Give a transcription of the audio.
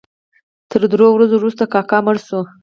تر درو ورځو وروسته کاکا مړ شو.